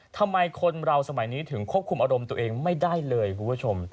ทำไมคนเราสมัยนี้ถึงควบคุมอารมณ์ตัวเองไม่ได้เลยคุณผู้ชม